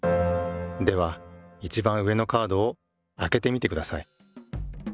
ではいちばん上のカードをあけてみてください。